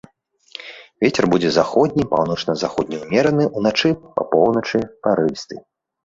Вецер будзе заходні, паўночна-заходні ўмераны, уначы па поўначы парывісты.